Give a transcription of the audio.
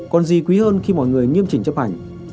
còn gì quý hơn khi mọi người nghiêm trình chấp hành